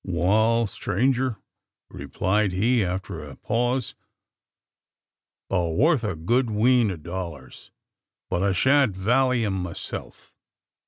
"Wal, stranger," replied he, after a pause, "thur worth a good wheen o' dollars; but I shan't valley 'em myself.